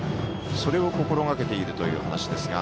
それを心がけているという話ですが。